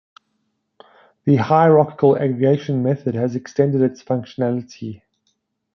The Hierarchical Aggregation method has extended its functionality.